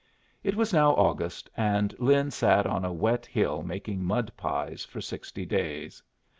It was now August, and Lin sat on a wet hill making mud pies for sixty days.